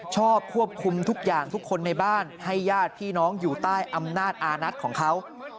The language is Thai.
ชอบควบคุมทุกอย่างทุกคนในบ้านให้ญาติพี่น้องอยู่ใต้อำนาจอานัทของเขา